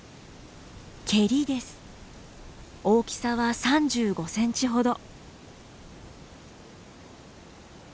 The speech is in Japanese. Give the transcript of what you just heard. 大きさは３５センチほど。